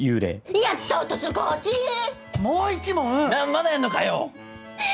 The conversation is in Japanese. まだやんのかよ！